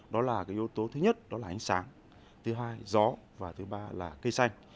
đó là yếu tố thứ nhất đó là ánh sáng thứ hai gió và thứ ba là cây xanh